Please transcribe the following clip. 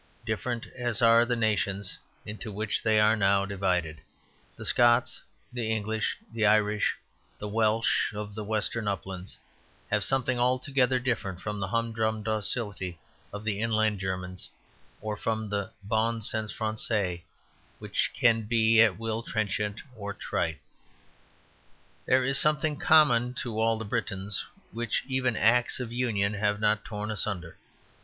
Different as are the nations into which they are now divided, the Scots, the English, the Irish, the Welsh of the western uplands, have something altogether different from the humdrum docility of the inland Germans, or from the bon sens français which can be at will trenchant or trite. There is something common to all the Britons, which even Acts of Union have not torn asunder.